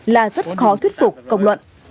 là rất khó thuyết phục công luận